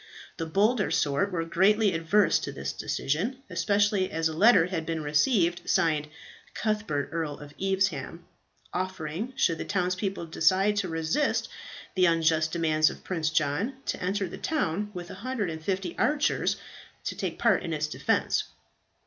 The bolder sort were greatly averse to this decision, especially as a letter had been received, signed "Cuthbert, Earl of Evesham," offering, should the townspeople decide to resist the unjust demands of Prince John, to enter the town with 150 archers to take part in its defence.